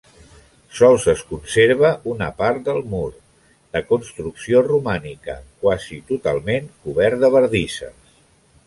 Sols es conserva una part del mur, de construcció romànica, quasi totalment cobert de bardisses.